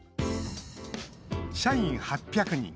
社員８００人